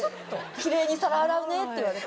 「キレイに皿洗うね」って言われて。